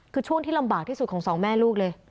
คือช่วงที่ลำบากที่สุดของสองแม่ลูกเลย